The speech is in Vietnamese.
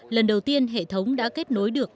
lần đầu tiên hệ thống đã kết nối được